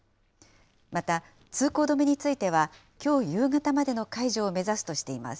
また、通行止めについては、きょう夕方までの解除を目指すとしています。